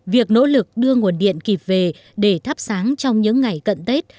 việc nỗ lực đưa nguồn điện kịp về để thắp sáng trong những ngày cận tết